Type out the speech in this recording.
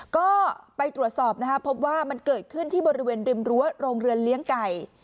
ก็ไปตรวจสอบนะครับพบว่ามันเกิดขึ้นที่บริเวณริมรั้วโรงเรือนเลี้ยงไก่